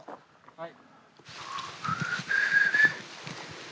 はい。